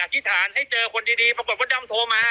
อธิษฐานให้เจอคนดีดีประมาณว่าต้องโทรมา